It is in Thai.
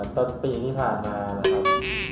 ตอนปีที่ผ่านมานะครับ